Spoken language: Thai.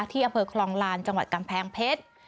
อำเภอคลองลานจังหวัดกำแพงเพชร